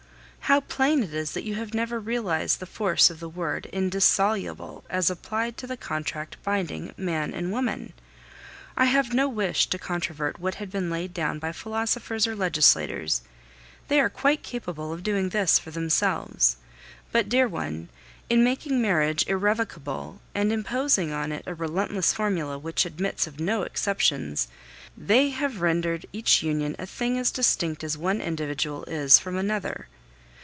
How plain it is that you have never realized the force of the word indissoluble as applied to the contract binding man and woman! I have no wish to controvert what has been laid down by philosophers or legislators they are quite capable of doing this for themselves but, dear one, in making marriage irrevocable and imposing on it a relentless formula, which admits of no exceptions, they have rendered each union a thing as distinct as one individual is from another.